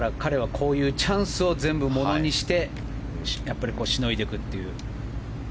彼はこういうチャンスを全部ものにしてしのいでいくという。